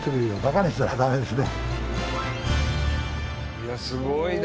いやすごいな！